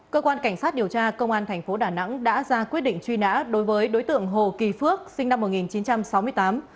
cơ quan cảnh sát điều tra công an tp đà nẵng đã ra quyết định truy nã đối với đối tượng hồ kỳ phước sinh năm một nghìn chín trăm sáu mươi tám